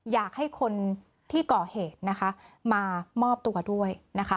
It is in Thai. อยากให้คนที่ก่อเหตุนะคะมามอบตัวด้วยนะคะ